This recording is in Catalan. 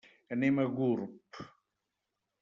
Anem a Gurb.